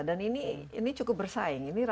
dan ini cukup bersaing